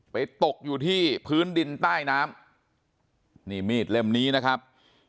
ตกอยู่ที่พื้นดินใต้น้ำนี่มีดเล่มนี้นะครับ